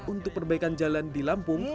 untuk perbaikan jalan di lampung